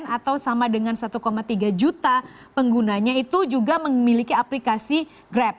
atau sama dengan satu tiga juta penggunanya itu juga memiliki aplikasi grab